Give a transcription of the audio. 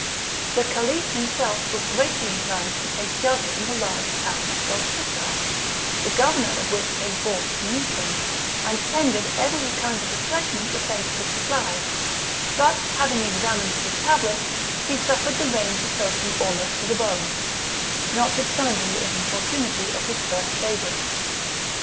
The Caliph himself was greatly inclined to take shelter in the large town of Gulchissar, the governor of which came forth to meet him, and tendered every kind of refreshment the place could supply; but, having examined his tablets, he suffered the rain to soak him almost to the bone, notwithstanding the importunity of his first favourites.